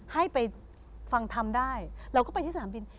ให้ไปฟังทำได้เราก็ไปที่สนามบิน